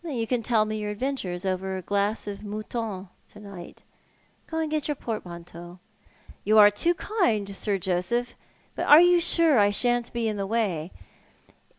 "You can tell mo your adventures over a glass of Mouton to night. Go and get your portmanteau." " You are too kind, Sir Joseph ; but are you sure I shan't be in the way